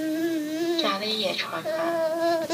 咖喱野菜飯